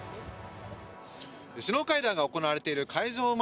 首脳会談が行われている会場